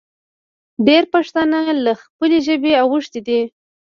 ډېر پښتانه له خپلې ژبې اوښتې دي